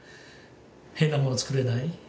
変なものは作れない。